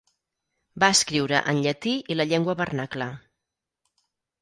Va escriure en llatí i la llengua vernacla.